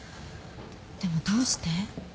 でもどうして？